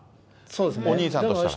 お兄さんとしては。